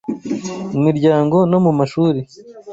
Mu miryango no mu mashuri